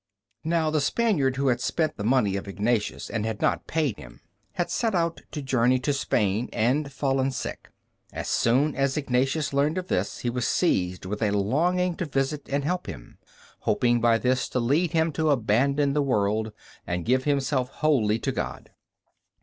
Now the Spaniard who had spent the money of Ignatius and had not paid him, had set out to journey to Spain and fallen sick. As soon as Ignatius learned of this, he was seized with a longing to visit and help him, hoping by this to lead him to abandon the world and give himself wholly to God.